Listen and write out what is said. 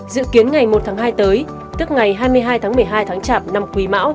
dự kiến ngày một tháng hai tới